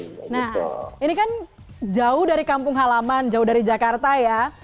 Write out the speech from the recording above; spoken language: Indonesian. nah ini kan jauh dari kampung halaman jauh dari jakarta ya